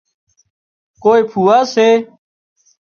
ڪوئي ڦوئا سي